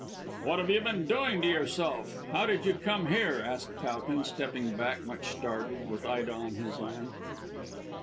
"What have you been doing to yourself? How did you come here?" asked Towton, stepping back much startled, with Ida on his arm.